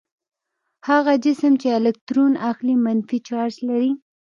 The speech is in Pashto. هغه جسم چې الکترون اخلي منفي چارج لري.